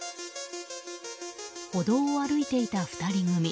歩道を歩いていた２人組。